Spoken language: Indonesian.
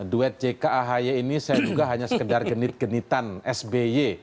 duet jk ahy ini saya juga hanya sekedar genit genitan sby